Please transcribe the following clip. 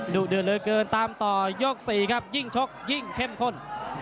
ดุเดือดเหลือเกินตามต่อยก๔ครับยิ่งชกยิ่งเข้มข้น